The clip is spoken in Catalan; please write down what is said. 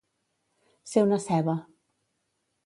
Ser una ceba.